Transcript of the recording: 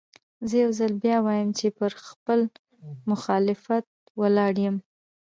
زه يو ځل بيا وايم چې پر خپل مخالفت ولاړ يم.